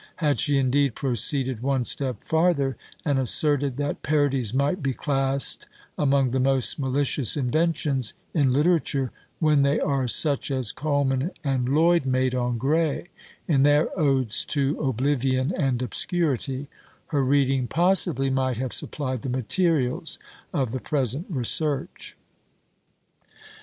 Had she indeed proceeded one step farther, and asserted that parodies might be classed among the most malicious inventions in literature, when they are such as Colman and Lloyd made on Gray, in their odes to "Oblivion and Obscurity," her reading possibly might have supplied the materials of the present research.